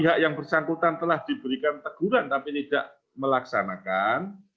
jika penyelenggaraan kampanye yang telah diberikan teguran tapi tidak melaksanakan